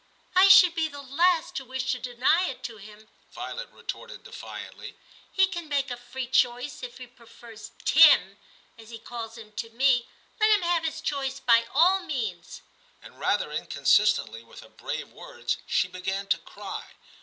* I should be the last to wish to deny it to him,' Violet retorted defiantly ;' he can make a free choice ; if he prefers Tim," as he calls him, to me, let him have his choice by all means/ And rather inconsistently with her brave words, she began to cry.